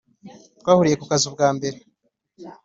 Twahuriye kukazi ubwambere